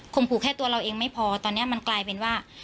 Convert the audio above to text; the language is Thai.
ขู่แค่ตัวเราเองไม่พอตอนนี้มันกลายเป็นว่า